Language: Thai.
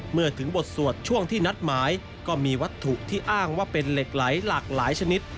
เมื่อถึงบทสวดช่วงที่นัดหมายก็มีวัตถุที่อ้างว่าเป็นเหล็กไหลหลากหลายชนิด